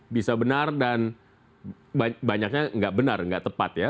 bisa benar dan banyaknya nggak benar nggak tepat ya